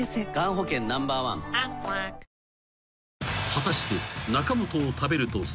［果たして］